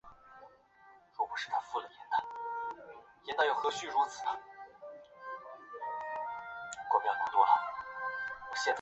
克拉斯诺维奇农村居民点是俄罗斯联邦布良斯克州乌涅恰区所属的一个农村居民点。